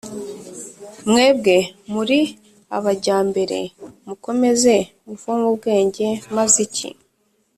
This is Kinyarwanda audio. "mwebwe muri abajyambere, mukomeze muvome ubwenge, maze iki